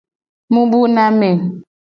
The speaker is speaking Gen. Mu bu na me.